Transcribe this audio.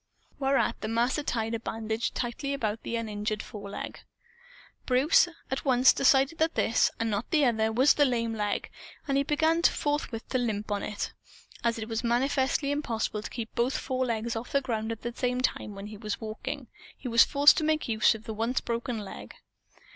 Whereat, the Master tied a bandage tightly about the uninjured foreleg. Bruce at once decided that this, and not the other, was the lame leg; and he began forthwith to limp on it. As it was manifestly impossible to keep both forelegs off the ground at the same time when he was walking, he was forced to make use of the once broken leg.